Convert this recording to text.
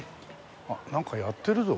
あっなんかやってるぞ。